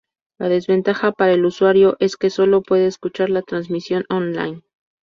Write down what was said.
La desventaja para el usuario es que sólo puede escuchar la transmisión online.